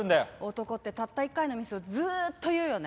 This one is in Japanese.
男ってたった１回のミスをずーっと言うよね。